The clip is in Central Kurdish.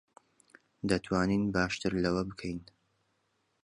دەتوانین باشتر لەوە بکەین.